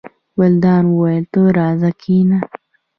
ګلداد وویل: ته راځه کېنه.